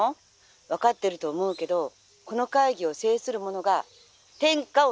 分かってると思うけどこの会議を制する者が天下を制するのよ！」。